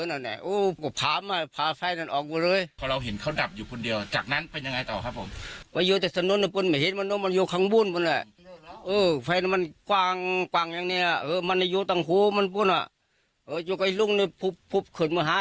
บ้านลูกชายของในเงินผู้เสียชีวิตนะคะในแก้วอาชางเงินก็บอกว่า